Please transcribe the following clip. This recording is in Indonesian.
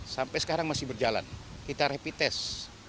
sampai sekarang masih berjalan kita rapid test